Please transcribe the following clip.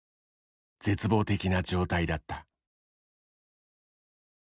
絶望的な状態だった。